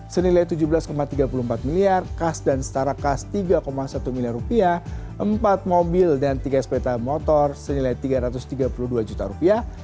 senilai tujuh belas tiga puluh empat miliar kas dan setara kas tiga satu miliar rupiah empat mobil dan tiga sepeda motor senilai tiga ratus tiga puluh dua juta rupiah